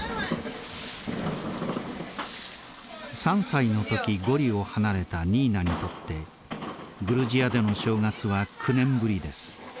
３歳の時ゴリを離れたニーナにとってグルジアでの正月は９年ぶりです。